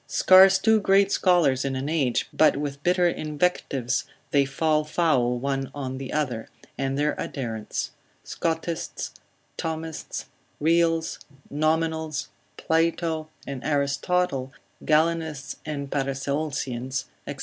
Scarce two great scholars in an age, but with bitter invectives they fall foul one on the other, and their adherents; Scotists, Thomists, Reals, Nominals, Plato and Aristotle, Galenists and Paracelsians, &c.